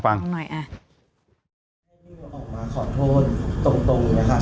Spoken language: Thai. พี่มิวออกมาขอโทษตรงอย่างไรครับ